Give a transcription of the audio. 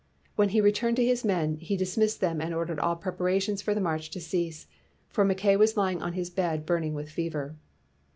When he returned to his men, he dismissed them and ordered all preparations for the march to cease, for Mackay was lying on his bed burning with fever.